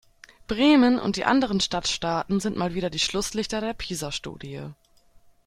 Bremen und die anderen Stadtstaaten sind mal wieder die Schlusslichter der PISA-Studie.